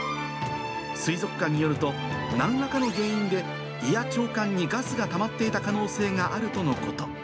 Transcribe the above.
水族館によると、なんらかの原因で胃や腸管にガスがたまっていた可能性があるとのこと。